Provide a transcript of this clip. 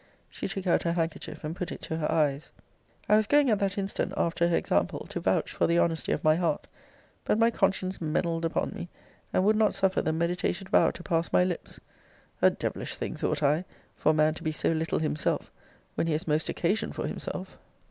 She took out her handkerchief, and put it to her eyes. I was going, at that instant, after her example, to vouch for the honesty of my heart; but my conscience Mennelled upon me; and would not suffer the meditated vow to pass my lips. A devilish thing, thought I, for a man to be so little himself, when he has most occasion for himself!